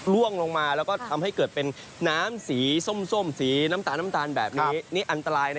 ล่วงลงมาแล้วก็ทำให้เกิดเป็นน้ำสีส้มสีน้ำตาลน้ำตาลแบบนี้นี่อันตรายนะ